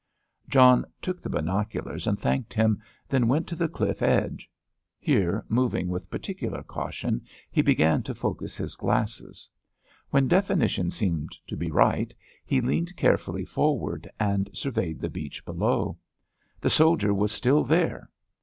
John took the binoculars, and thanked him, then went to the cliff edge. Here, moving with particular caution, he began to focus his glasses. When definition seemed to be right, he leaned carefully forward, and surveyed the beach below. The soldier was still there.